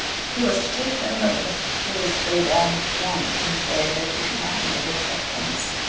He was to take no notice. He was to go down at once and say that she commanded acceptance.